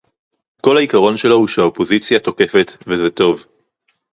כל העיקרון שלו הוא שהאופוזיציה תוקפת - וזה טוב